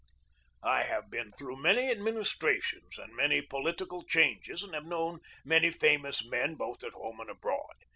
I have been through many administrations and many political changes, and have known many famous men both at home and abroad.